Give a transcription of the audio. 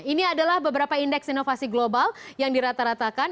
ini adalah beberapa indeks inovasi global yang dirata ratakan